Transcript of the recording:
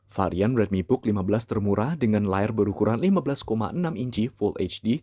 varian redmi book lima belas termurah dengan layar berukuran lima belas enam inci full hd